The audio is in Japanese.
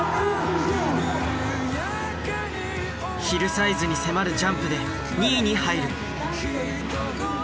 ヒルサイズに迫るジャンプで２位に入る。